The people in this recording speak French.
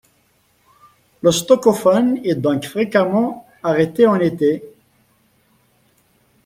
Le stückofen est donc fréquemment arrêté en été.